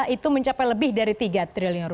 itu mencapai lebih dari rp tiga sebelas triliun